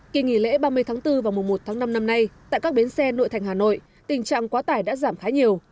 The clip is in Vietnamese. kỳ nghỉ lễ ba mươi tháng bốn và mùa một tháng năm năm nay tại các bến xe nội thành hà nội tình trạng quá tải đã giảm khá nhiều